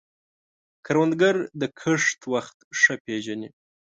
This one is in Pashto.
کروندګر د کښت وخت ښه پېژني